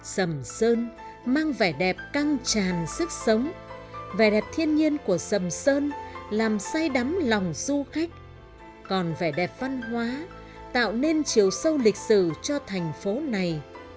sầm sơn mang vẻ đẹp căng tràn sức sống vẻ đẹp thiên nhiên của sầm sơn làm say đắm lòng du khách còn vẻ đẹp văn hóa tạo nên chiều sâu lịch sử cho thành phố này